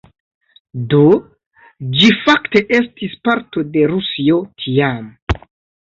Do, ĝi fakte estis parto de Rusio tiam